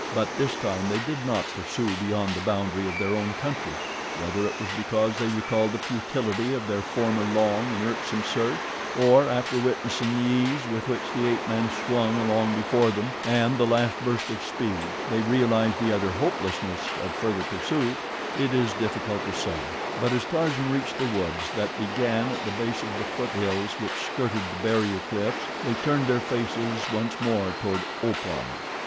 But this time they did not pursue beyond the boundary of their own country. Whether it was because they recalled the futility of their former long and irksome search, or after witnessing the ease with which the ape man swung along before them, and the last burst of speed, they realized the utter hopelessness of further pursuit, it is difficult to say; but as Tarzan reached the woods that began at the base of the foothills which skirted the barrier cliffs they turned their faces once more toward Opar.